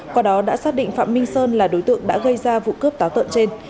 qua đó đã xác định phạm minh sơn là đối tượng đã gây ra vụ cướp táo tợn trên